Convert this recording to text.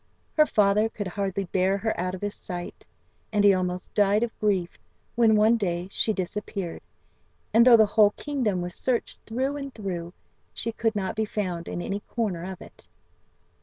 Her father could hardly bear her out of his sight, and he almost died of grief when, one day, she disappeared, and though the whole kingdom was searched through and through, she could not be found in any corner of it.